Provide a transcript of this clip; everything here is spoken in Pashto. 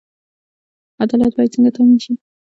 عدالت باید څنګه تامین شي؟